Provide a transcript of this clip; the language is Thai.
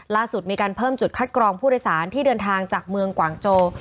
ล่าสุดมีการเพิ่มจุดคัดกรองผู้โดยสารที่เดินทางจากเมืองกว่างโจ